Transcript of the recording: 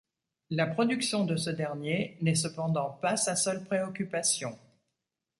La production de ce dernier n’est cependant pas sa seule préoccupation.